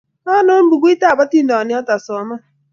Konon pukitab atindyonik asoman.